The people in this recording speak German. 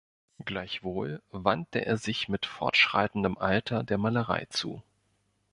Gleichwohl wandte er sich mit fortschreitendem Alter der Malerei zu.